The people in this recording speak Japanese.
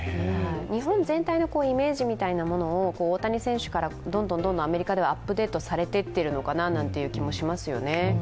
日本全体のイメージみたいなものを、大谷選手からどんどんアメリカではアップデートされていっているのかなという気もしますよね。